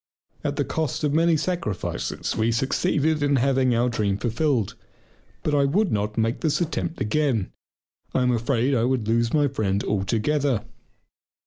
At the cost of many sacrifices we succeeded in having our dream fulfilled. But I would not make the attempt again. I am afraid I would lose my friend altogether.